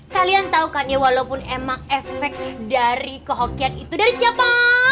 kalian tau kan ya walaupun emang efek dari kehokian itu dari siapa